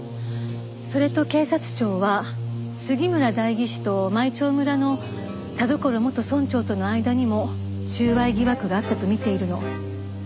それと警察庁は杉村代議士と舞澄村の田所元村長との間にも収賄疑惑があったと見ているの。